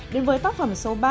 đến với tác phẩm số ba